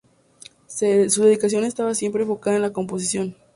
Su dedicación estaba siempre enfocada en la composición.